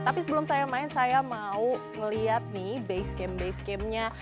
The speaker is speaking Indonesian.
tapi sebelum saya main saya mau ngeliat nih basecamp basecampnya